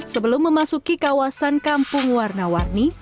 sebelum memasuki kawasan kampung warna warni